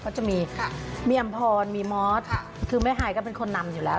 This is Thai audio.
เขาจะมีมีอำพรมีมอสคือแม่ฮายก็เป็นคนนำอยู่แล้ว